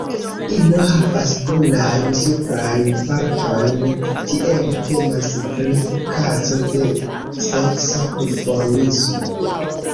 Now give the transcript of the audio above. Ino havas brunajn suprajn partojn, tiele temas pri kazo de seksa duformismo.